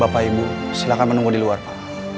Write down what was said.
bapak ibu silahkan menunggu di luar pak